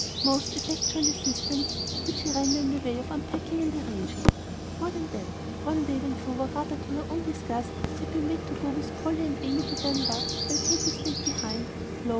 Most effectual assistance did she render in the way of unpacking and arranging. More than that, one day, when Clover, rather to her own disgust, had been made to go with Polly and Amy to Denver while Katy stayed behind, lo!